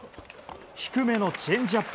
低めのチェンジアップ。